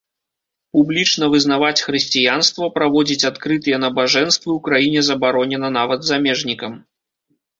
Публічна вызнаваць хрысціянства, праводзіць адкрытыя набажэнствы ў краіне забаронена нават замежнікам.